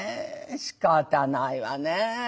しかたないわね。